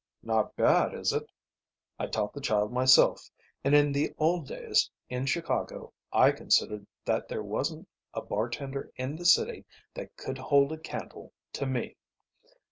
"Not bad, is it? I taught the child myself, and in the old days in Chicago I considered that there wasn't a bar tender in the city that could hold a candle to me.